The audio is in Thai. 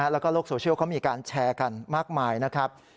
แล้วก็โลกโซเชียลเขามีการแชร์กันมากมายนะครับ